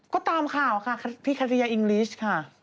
ก็ตามข่าวค่ะพี่คาเทรียอิงกลีชค่ะ